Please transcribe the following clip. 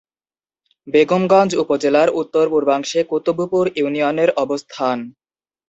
বেগমগঞ্জ উপজেলার উত্তর-পূর্বাংশে কুতুবপুর ইউনিয়নের অবস্থান।